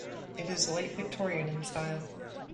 It is Late Victorian in style.